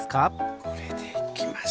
これでいきます。